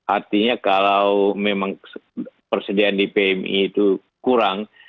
artinya kalau memang persediaan di pmi itu kurang